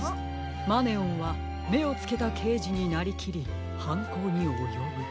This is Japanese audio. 「マネオンはめをつけたけいじになりきりはんこうにおよぶ」。